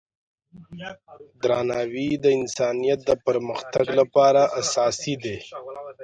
درناوی د انسانیت د پرمختګ لپاره اساسي دی.